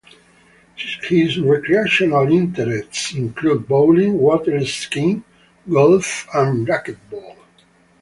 His recreational interests include bowling, water skiing, golf and racquetball.